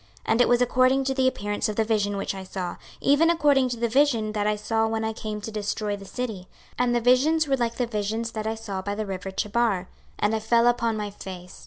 26:043:003 And it was according to the appearance of the vision which I saw, even according to the vision that I saw when I came to destroy the city: and the visions were like the vision that I saw by the river Chebar; and I fell upon my face.